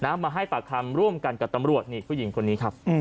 มาให้ปากคำร่วมกันกับตำรวจนี่ผู้หญิงคนนี้ครับ